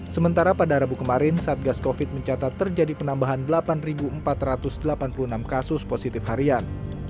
sementara pada rabu kemarin satgas covid mencatat terjadi penambahan delapan empat ratus delapan puluh enam kasus positif harian